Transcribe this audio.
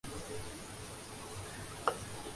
ہمیں اُمیدِ بلاغت تو نہیں ہے تُم سے